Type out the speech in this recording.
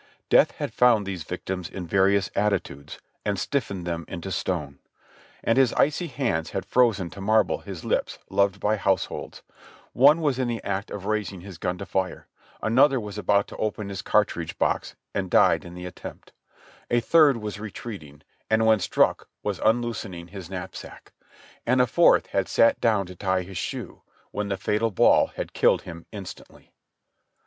Death had found these victims in various attitudes and stiffened them into stone, and his icy hands had frozen to marble his lips loved by households; one was in the act of raising his gun to fire; another was about to open his cartridge box and died in the attempt; a The wreck after the storm 259 third was retreating, and when struck was unloosening his knap sack; and a fourth had sat down to tie his shoe, when the fatal ball had killed him instantly.